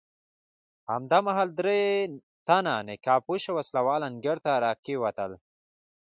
همدا مهال درې تنه نقاب پوشه وسله وال انګړ ته راکېوتل.